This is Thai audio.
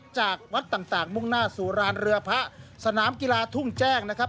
จากวัดต่างมุ่งหน้าสู่รานเรือพระสนามกีฬาทุ่งแจ้งนะครับ